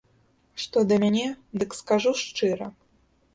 Што да мяне, дык скажу шчыра.